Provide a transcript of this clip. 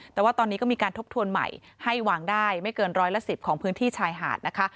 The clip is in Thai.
แต่ว่าตอนนี้ก็มีการทบทวนใหม่ให้วางได้ไม่เกินร้อยละ๑๐ของพื้นที่ชายหาดนะคะ